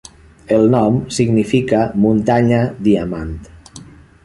El nom significa Muntanya Diamant.